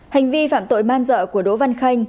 hành vi phạm tội man dợ của đỗ văn khanh